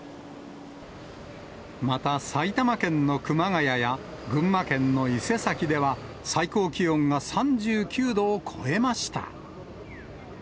また、埼玉県の熊谷や群馬県の伊勢崎では、最高気温が３９度を超えました。